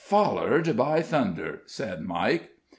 "Follered, by thunder!" said Mike.